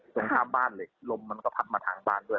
ตรงข้ามบ้านเหล็กลมมันก็พัดมาทางบ้านด้วย